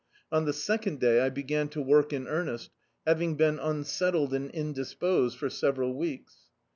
On tlie second day I began to work in earnest, having been unsettled and indis posed for several weeks.